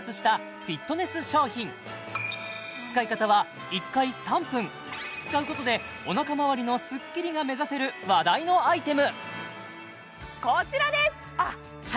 使い方は１回３分使うことでお腹周りのスッキリが目指せる話題のアイテム